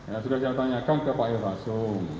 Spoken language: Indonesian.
ya sudah saya tanyakan ke pak erasung